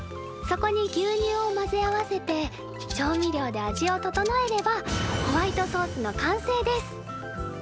そこに牛乳を混ぜ合わせて調味料で味をととのえればホワイトソースの完成です。